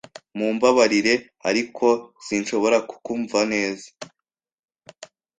Mumbabarire, ariko sinshobora kukumva neza.